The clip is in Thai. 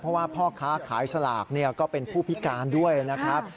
เพราะว่าพ่อค้าขายสลากก็เป็นผู้พิการด้วยนะครับ